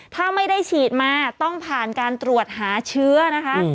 ถ้าไม่ได้ฉีดมาต้องผ่านการตรวจหาเชื้อนะคะ